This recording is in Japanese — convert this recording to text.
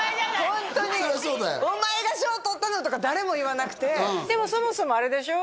ホントに「お前が賞とったの？」とか誰も言わなくてでもそもそもあれでしょ？